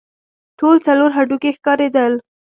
ټول څلور هډوکي ښکارېدل.